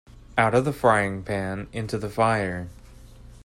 Out of the frying pan into the fire.